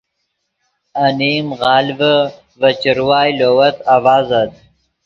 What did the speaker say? انیم غالڤے ڤے چروائے لووت آڤازت